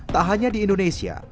tak hanya di indonesia